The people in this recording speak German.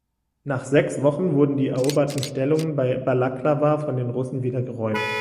Nach sechs Wochen wurden die eroberten Stellungen bei Balaklawa von den Russen wieder geräumt.